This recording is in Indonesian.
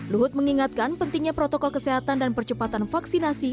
luhut mengingatkan pentingnya protokol kesehatan dan percepatan vaksinasi